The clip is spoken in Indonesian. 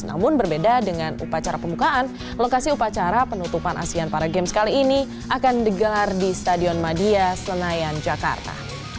namun berbeda dengan upacara pembukaan lokasi upacara penutupan asean para games kali ini akan digelar di stadion madia senayan jakarta